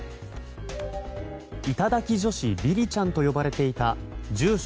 頂き女子りりちゃんと呼ばれていた住所